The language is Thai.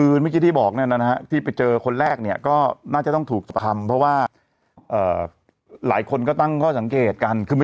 เออเป็นหมอดูขึ้นมาได้ยังไง